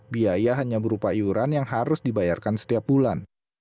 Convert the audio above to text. biaya hanya berupa iuran yang harus dibayarkan setiap bulan